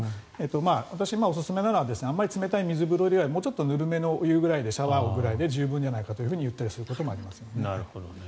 私、おすすめなのはあまり冷たい水風呂よりはちょっとぬるめのお湯ぐらいでシャワーぐらいで十分じゃないかと言ったりすることもあります。